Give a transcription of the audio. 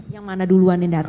yang mana duluan yang datang